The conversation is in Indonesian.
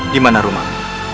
di mana rumahmu